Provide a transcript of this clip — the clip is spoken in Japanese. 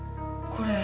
これ。